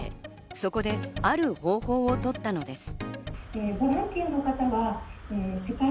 そこである方法をとったのです。